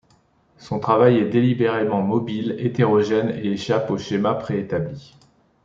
Son travail est délibérément mobile, hétérogène et échappe aux schémas préétablis.